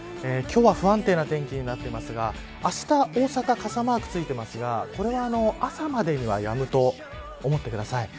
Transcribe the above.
今日は不安定な天気になっていますがあした、大阪傘マークついてますがこれは朝までにはやむと思ってください。